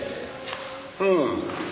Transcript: うん。